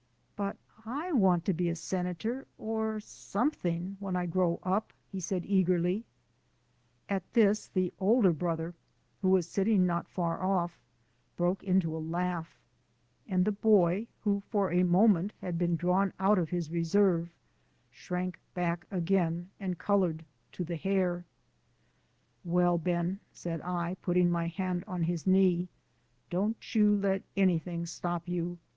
"But I want to be a senator or something when I grow up," he said eagerly. At this the older brother, who was sitting not far off, broke into a laugh, and the boy, who for a moment had been drawn out of his reserve, shrank back again and coloured to the hair. "Well, Ben," said I, putting my hand on his knee, "don't you let anything stop you.